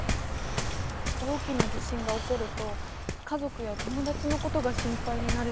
大きな地震が起こると家族や友達のことが心配になるよね。